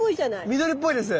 緑っぽいです。